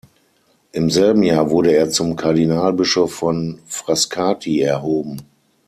Im selben Jahr wurde er zum Kardinalbischof von Frascati erhoben.